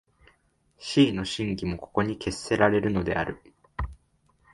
思惟の真偽もここに決せられるのである。